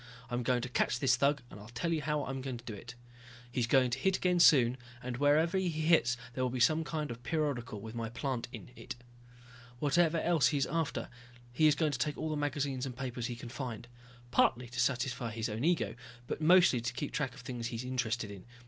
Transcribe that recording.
I'm going to catch this thug and I'll tell you how I'll do it. He's going to hit again soon, and wherever he hits there will be some kind of a periodical with my plant in it. Whatever else he is after, he is going to take all of the magazines and papers he can find. Partly to satisfy his own ego, but mostly to keep track of the things he is interested in.